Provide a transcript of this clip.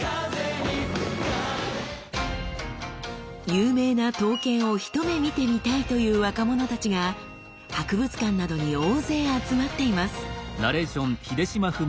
有名な刀剣を一目見てみたいという若者たちが博物館などに大勢集まっています。